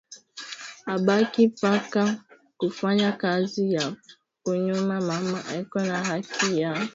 abaki paka ku fanya kazi ya ku nyumba mama eko na haki ya